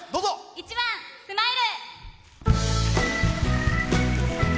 １番「スマイル」。